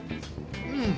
うん。